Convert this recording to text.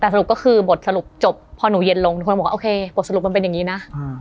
แต่สรุปก็คือบทสรุปจบพอหนูเย็นลงคนบอกว่าโอเคบทสรุปมันเป็นอย่างนี้นะ